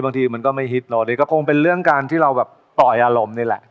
บางทีมันก็ไม่ฮิตเนอะนี่ก็คงเป็นเรื่องการที่เราแบบปล่อยอารมณ์นี่แหละ